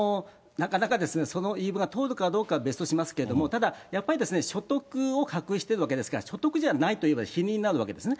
なかなかその言い分が通るかどうかは別としますけれども、ただやっぱり所得を隠しているわけですから、所得じゃないと言えば、否認になるわけですね。